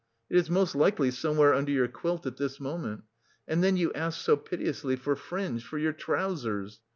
It is most likely somewhere under your quilt at this moment. And then you asked so piteously for fringe for your trousers.